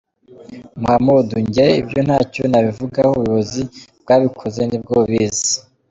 Muhamud: Njye ibyo ntacyo nabivugaho ubuyobozi bwabikoze nibwo bubizi.